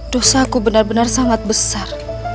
dosaku benar benar sangat besar